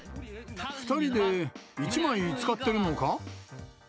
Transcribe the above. ２人で１枚使ってるのか？